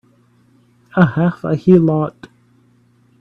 A half a heelot!